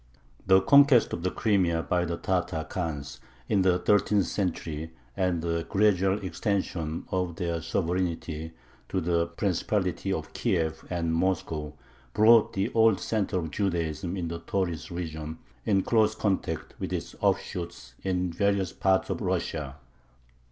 The conquest of the Crimea by the Tatar khans in the thirteenth century and the gradual extension of their sovereignty to the Principalities of Kiev and Moscow brought the old center of Judaism in the Tauris region in close contact with its offshoots in various parts of Russia.